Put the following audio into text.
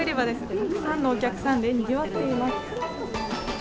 たくさんのお客さんでにぎわっています。